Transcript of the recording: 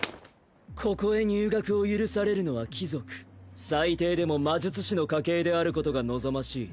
ここへ入学を許されるのは貴族最低でも魔術師の家系であることが望ましい